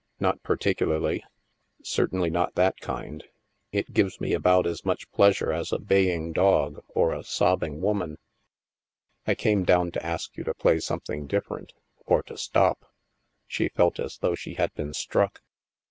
" Not particularly. Certainly not that kind. It gives me about as much pleasure as a baying dog or STILL WATERS 69 a sobbing woman. I came down to ask you to play something different, or to stop." She felt as though she had been struck.